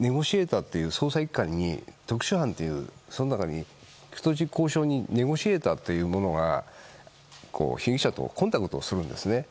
捜査１課に特殊班という中に人質交渉人ネゴシエーターという人が被疑者とコンタクトをするんですね。